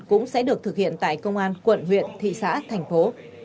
cũng sẽ được thực hiện tại công an quận huyện thị xã thành phố